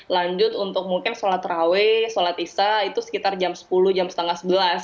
lanjut untuk mungkin sholat raweh sholat isya itu sekitar jam sepuluh jam setengah sebelas